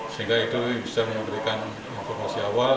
sehingga itu bisa memberikan informasi awal